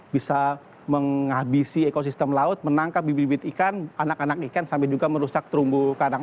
bisa menghabisi ekosistem laut menangkap bibit bibit ikan anak anak ikan sampai juga merusak terumbu karang